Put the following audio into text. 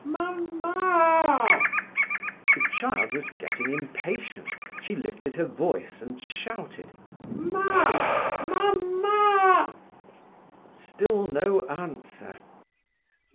"Mamma a!" The child was getting impatient. She lifted her voice and shouted: "Mam? Mamma!" Still no answer.